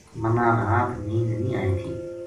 مَنا رات نیند نیہہ آئے تھی